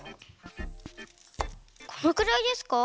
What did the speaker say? このくらいですか？